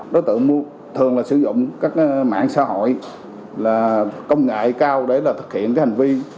đối tượng thường sử dụng các mạng xã hội công nghệ cao để thực hiện hành vi